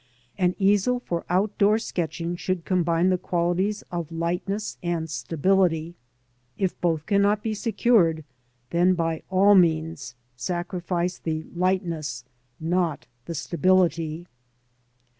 An easel for out door sketching should combine the qualities of lightness and stability. If both cannot be secured, then by all means sacrifice the lightness, not the stability.